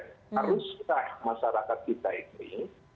haruskah masyarakat kita ini